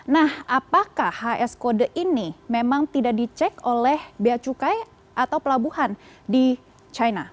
nah apakah hs kode ini memang tidak dicek oleh biaya cukai atau pelabuhan di china